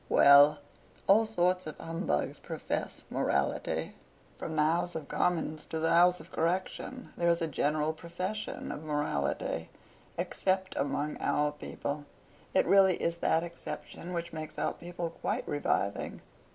Well; all sorts of humbugs profess morality. From the House of Commons to the House of Correction, there is a general profession of morality, except among our people; it really is that exception which makes our people quite reviving.